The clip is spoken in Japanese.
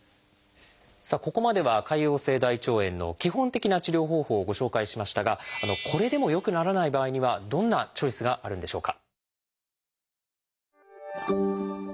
さあここまでは潰瘍性大腸炎の基本的な治療方法をご紹介しましたがこれでも良くならない場合にはどんなチョイスがあるんでしょうか？